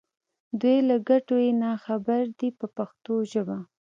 دوی له ګټو یې نا خبره دي په پښتو ژبه.